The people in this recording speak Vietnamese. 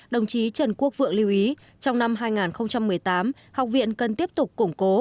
đồng chí trần quốc vượng lưu ý trong năm hai nghìn một mươi tám học viện cần tiếp tục củng cố